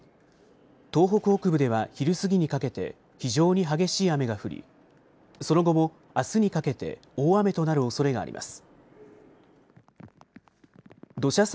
東北北部では昼過ぎにかけて非常に激しい雨が降り、その後もあすにかけて大雨となるおそれがあります。